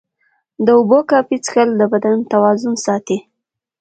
د اوبو کافي څښل د بدن توازن ساتي.